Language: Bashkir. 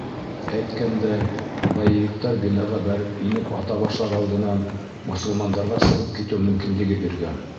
Әйткәндәй, боевиктар бинаға бәреп инеп ата башлар алдынан мосолмандарға сығып китеү мөмкинлеге биргән.